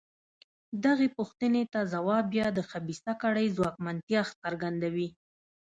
دغې پوښتنې ته ځواب بیا د خبیثه کړۍ ځواکمنتیا څرګندوي.